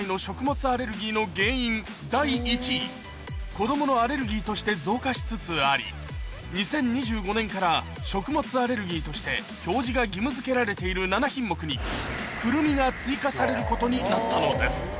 子供のアレルギーとして増加しつつあり２０２５年から食物アレルギーとして表示が義務付けられている７品目にくるみが追加されることになったのです